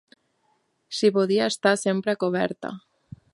S'hi podia estar sempre a coberta.